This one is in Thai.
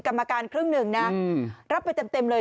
กรรมการครึ่งหนึ่งนะรับไปเต็มเลย